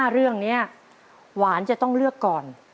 ๕เรื่องนี้หวานจะต้องเลือกก่อน